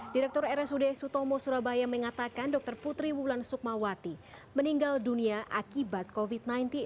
direktur rsud sutomo surabaya mengatakan dr putri wulan sukmawati meninggal dunia akibat covid sembilan belas